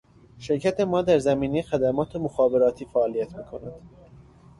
شرکت ما در زمینه خدمات مخابراتی فعالیت میکند